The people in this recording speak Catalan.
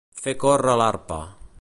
Fer córrer l'arpa.